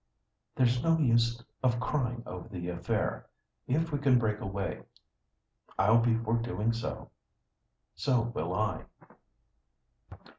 "There's no use of crying over the affair. If we can break away, I'll be for doing so." "So will I."